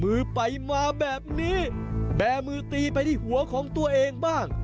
มือไปมาแบบนี้แบมือตีไปที่หัวของตัวเองบ้าง